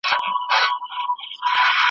پر سجده ورته پراته وای عالمونه !.